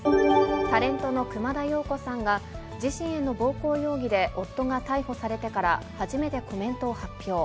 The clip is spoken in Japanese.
タレントの熊田曜子さんが、自身への暴行容疑で夫が逮捕されてから、初めてコメントを発表。